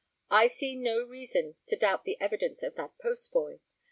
I see no reason to doubt the evidence of that postboy.